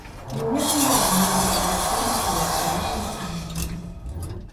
Ні ў якім разе нельга даваць чорны хлеб, салёнае, смажанае.